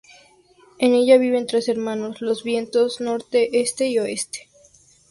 En ella viven tres hermanos: los vientos Norte, Este y Oeste.